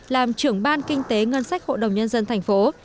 làm trưởng ban kinh tế ngân sách hội đồng nhân dân thành phố